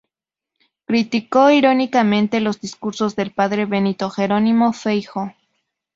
Criticó irónicamente los discursos del padre Benito Jerónimo Feijoo.